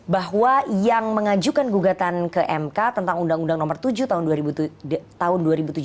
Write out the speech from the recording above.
bahwa yang mengajukan gugatan ke mk tentang undang undang nomor tujuh tahun dua ribu tujuh belas